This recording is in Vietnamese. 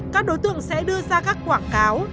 các đối tượng sẽ đưa ra các quảng cáo